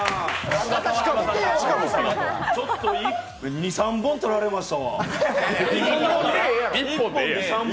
２３本取られました。